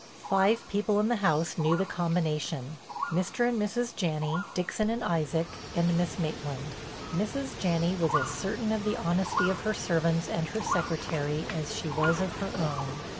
Five people in the house knew the combination—Mr. and Mrs. Janney, Dixon and Isaac and Miss Maitland. Mrs. Janney was as certain of the honesty of her servants and her Secretary as she was of her own.